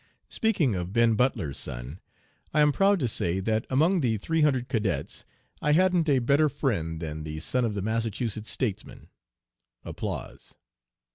Speaking of Ben Butler's son, I am proud to say that among the three hundred cadets I hadn't a better friend than the son of the Massachusetts statesman.